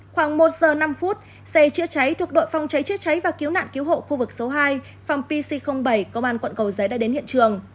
khoảng một giờ năm phút xe chữa cháy thuộc đội phòng cháy chữa cháy và cứu nạn cứu hộ khu vực số hai phòng pc bảy công an quận cầu giấy đã đến hiện trường